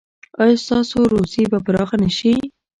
ایا ستاسو روزي به پراخه نه شي؟